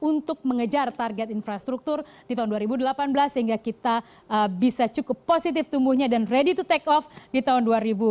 untuk mengejar target infrastruktur di tahun dua ribu delapan belas sehingga kita bisa cukup positif tumbuhnya dan ready to take off di tahun dua ribu dua puluh